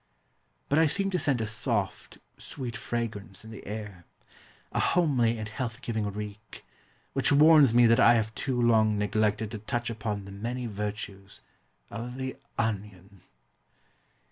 But I seem to scent a soft, sweet fragrance in the air, a homely and health giving reek, which warns me that I have too long neglected to touch upon the many virtues of the Onion.